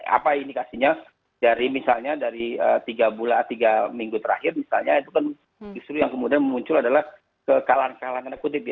apa indikasinya dari misalnya dari tiga minggu terakhir misalnya itu kan justru yang kemudian muncul adalah kekalahan kalangan kutip